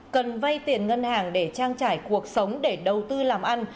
cần vay tiền ngân hàng để trang trải cuộc sống để đầu tư làm ăn